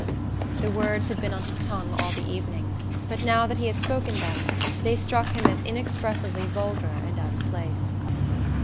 The words had been on his tongue all the evening, but now that he had spoken them they struck him as inexpressibly vulgar and out of place.